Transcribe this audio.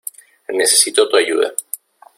Necesito tu ayuda.